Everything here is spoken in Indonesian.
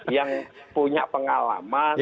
yang punya pengalaman